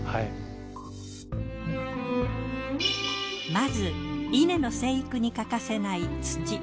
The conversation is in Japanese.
まず稲の生育に欠かせない土。